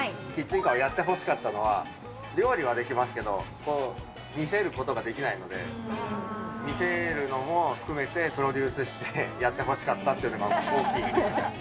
キッチンカーをやってほしかったのは、料理はできますけど、見せることができないので、見せるのも含めてプロデュースしてやってほしかったっていうのが大きいですね。